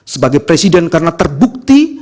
sebagai presiden karena terbukti